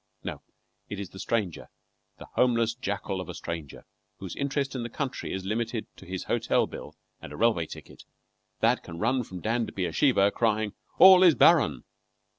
No, it is the stranger the homeless jackal of a stranger whose interest in the country is limited to his hotel bill and a railway ticket, that can run from Dan to Beersheba, crying: "All is barren!"